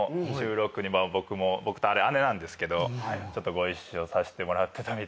僕とあれ姉なんですけどご一緒させてもらってたみたいで。